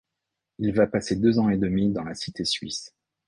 Il va passer deux ans et demi dans la cité Suisse.